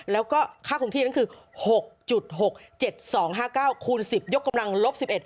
แล้วก็ค่าคงที่นั่นคือ๖๖๗๒๕๙คูณ๑๐ยกกำลังลบ๑๑